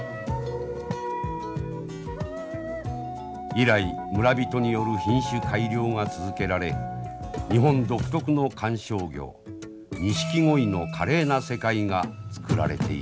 以来村人による品種改良が続けられ日本独特の観賞魚ニシキゴイの華麗な世界が作られていきました。